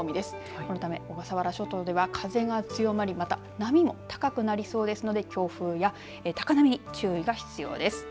このため、小笠原諸島では風が強まりまた、波も高くなりそうですので強風や高波に注意が必要です。